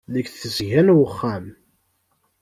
Deg tesga n uxxam.